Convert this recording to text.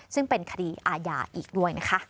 ซึ่งเป็นคดีอาญาอีกด้วยนะคะ